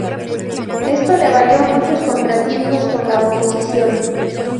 Esto le valió muchos contratiempos con la oposición.